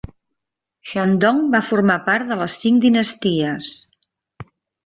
Shandong va formar part de les Cinc Dinasties.